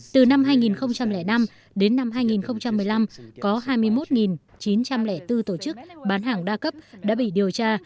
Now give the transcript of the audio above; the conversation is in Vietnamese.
từ năm hai nghìn năm đến năm hai nghìn một mươi năm có hai mươi một chín trăm linh bốn tổ chức bán hàng đa cấp đã bị điều tra